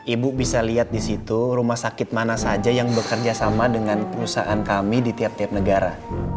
ibu bisa lihat di situ rumah sakit mana saja yang bekerja sama dengan perusahaan kami di tiap tiap negara